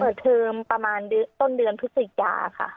เปิดเทิมประมาณต้นเดือนพฤศจิกายนค่ะ